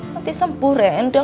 nanti sempul rendang